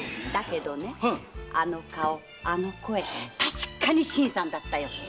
だけどねあの顔あの声確かに新さんだったよ。